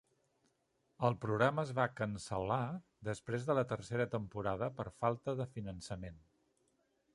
El programa es va cancel·lar després de la tercera temporada per falta de finançament.